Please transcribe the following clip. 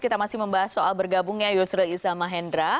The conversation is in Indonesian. kita masih membahas soal bergabungnya yusril izzama hendra